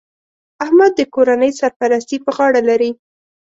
احمد د کورنۍ سرپرستي په غاړه لري